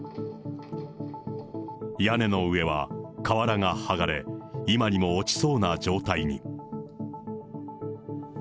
屋根の上は瓦がはがれ、今にも落ちそうな状態に。